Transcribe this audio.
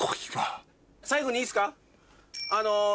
最後にいいですか？